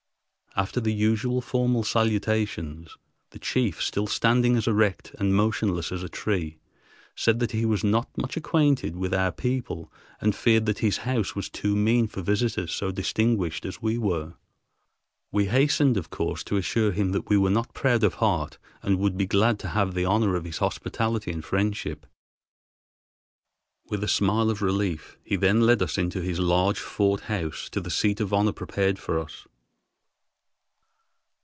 After the usual formal salutations, the chief, still standing as erect and motionless as a tree, said that he was not much acquainted with our people and feared that his house was too mean for visitors so distinguished as we were. We hastened of course to assure him that we were not proud of heart, and would be glad to have the honor of his hospitality and friendship. With a smile of relief he then led us into his large fort house to the seat of honor prepared for us.